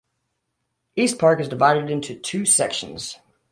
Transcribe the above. EastPark is divided into two sections.